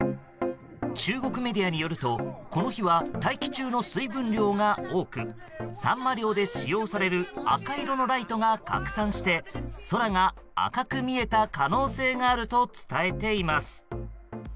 中国メディアによるとこの日は大気中の水分量が多くサンマ漁で使用される赤色のライトが拡散して空が赤く見えた可能性があると伝えています。